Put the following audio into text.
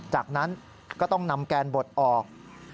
จากนั้นก็ต้องนำแกนบดออก